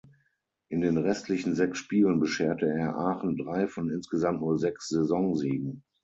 In den restlichen sechs Spielen bescherte er Aachen drei von insgesamt nur sechs Saisonsiegen.